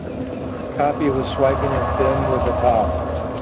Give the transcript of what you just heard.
Coppi was swiping at them with a towel.